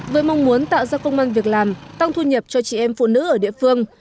với mong muốn tạo ra công an việc làm tăng thu nhập cho chị em phụ nữ ở địa phương